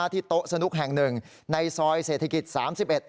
ที่โต๊ะสนุกแห่งหนึ่งในซอยเศรษฐกิจสามสิบเอ็ด